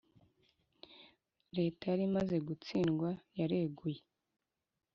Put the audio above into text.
leta yari imaze gutsindwa yareguye.